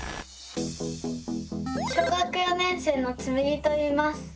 小学４年生のつむぎといいます。